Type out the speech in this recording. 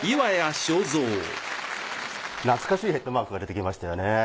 懐かしいヘッドマークが出てきましたよね。